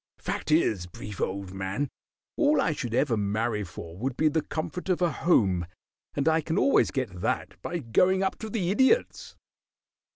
"Fact is, Brief, old man, all I should ever marry for would be the comfort of a home, and I can always get that by going up to the Idiot's."